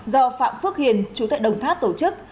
do phạm phước hiền chủ tịch đồng tháp tổ chức